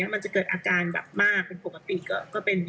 มันจะเกิดอาการแบบมากเป็นปกติก็เป็น